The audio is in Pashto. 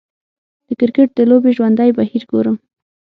د کریکټ د لوبې ژوندی بهیر ګورم